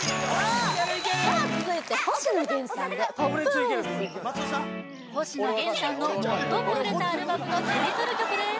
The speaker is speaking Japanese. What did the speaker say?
さあ続いて星野源さんで「ＰｏｐＶｉｒｕｓ」星野源さんの最も売れたアルバムのタイトル曲です